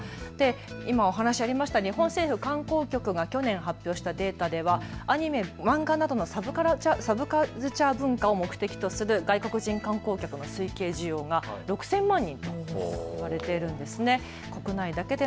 今、お話ありました日本政府観光局が去年、発表したデータでは、アニメ・漫画などのサブカルチャー文化を目的とする外国人観光客の推計需要が６０００万人ということだそうです。